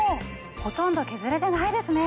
ほとんど削れてないですね。